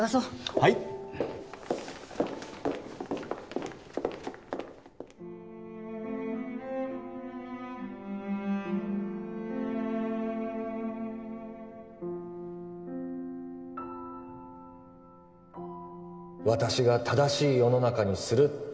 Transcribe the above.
はい私が正しい世の中にするって